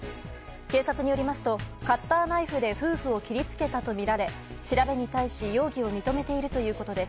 警察によりますとカッターナイフで夫婦を切りつけたとみられ調べに対し容疑を認めているということです。